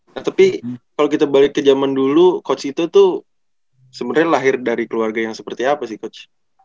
nah tapi kalau kita balik ke zaman dulu coach itu tuh sebenarnya lahir dari keluarga yang seperti apa sih coach